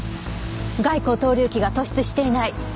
外後頭隆起が突出していない。